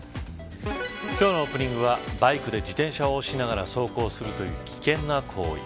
今日のオープニングはバイクで自転車を押しながら走行するという危険な行為。